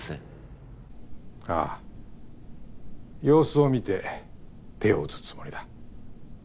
様子を見て手を打つつもりだ。